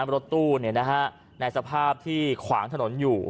รถตู้เนี่ยนะฮะในสภาพที่ขวางถนนอยู่